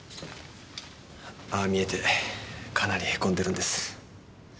ああ見えてかなりへこんでるんです。